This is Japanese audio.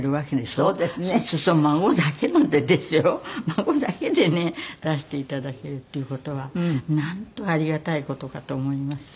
孫だけでね出して頂けるっていう事はなんとありがたい事かと思います。